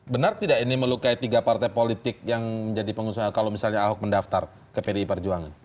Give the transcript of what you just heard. benar tidak ini melukai tiga partai politik yang menjadi pengusaha kalau misalnya ahok mendaftar ke pdi perjuangan